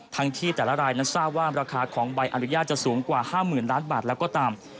ที่แต่ละรายนั้นทราบว่าราคาของใบอนุญาตจะสูงกว่า๕๐๐๐ล้านบาทแล้วก็ตาม